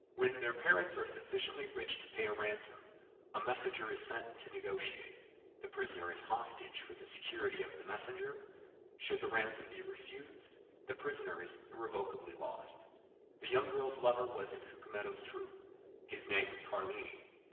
When their parents are sufficiently rich to pay a ransom, a messenger is sent to negotiate; the prisoner is hostage for the security of the messenger; should the ransom be refused, the prisoner is irrevocably lost. The young girl's lover was in Cucumetto's troop; his name was Carlini.